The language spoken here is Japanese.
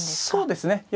そうですね。